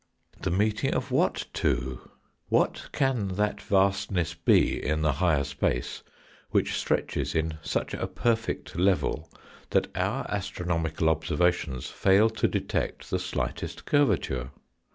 The meeting of what two ? What can that vastness be in the higher space which stretches in such a perfect level that our astronomical observations fail to detect the slightest curvature